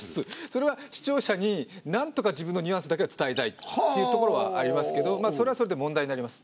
それは視聴者になんとか自分のニュアンスだけは伝えたいっていうところはありますけどそれはそれで問題になります。